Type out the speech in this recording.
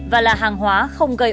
và là hàng hóa không có nguy cơ